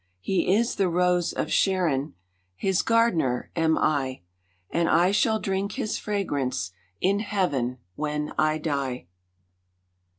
He is the Rose of Sharon, His gardener am I, And I shall drink His fragrance in Heaven when I die.